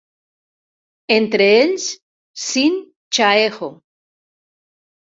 Entre ells, Sin Chaeho.